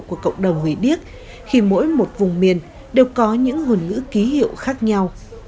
của cộng đồng người điếc khi mỗi một vùng miền đều có những ngôn ngữ ký hiệu khác nhau